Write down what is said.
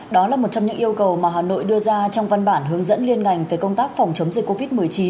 đó là một trong những yêu cầu mà hà nội đưa ra trong văn bản hướng dẫn liên ngành về công tác phòng chống dịch covid một mươi chín